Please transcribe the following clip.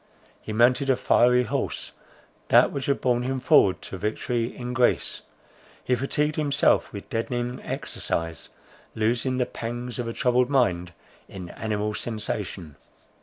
He mounted a fiery horse, that which had borne him forward to victory in Greece; he fatigued himself with deadening exercise, losing the pangs of a troubled mind in animal sensation.